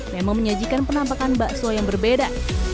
memang menyajikan penampakan bakso yang berbeda